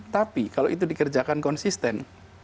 tapi kalau itu dikerjakan konsisten